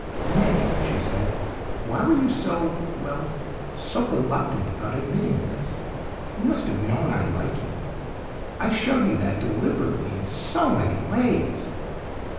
"Nick," she said, "why were you so well, so reluctant about admitting this? You must have known I like you. I showed you that deliberately in so many ways."